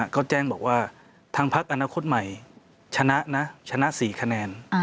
เขาแจ้งบอกว่าทางพักอนาคตใหม่ชนะนะชนะ๔คะแนน